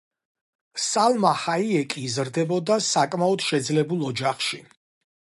სალმა ჰაიეკი იზრდებოდა საკმაოდ შეძლებულ ოჯახში.